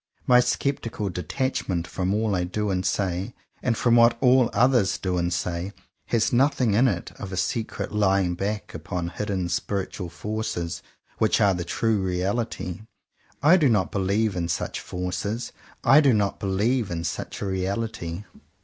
My scepti cal detachment from all I do and say, and from what all others do and say, has nothing in it of a secret lying back upon hidden spiritual forces, which are the true reality. I do not believe in such forces. I do not believe in such a reality.